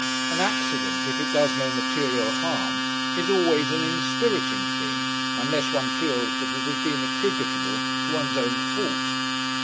An accident, if it does no material harm, is always an inspiriting thing, unless one feels that it has been attributable to one's own fault.